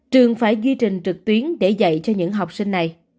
trường phải ghi trình trực tuyến để dạy cho những học sinh này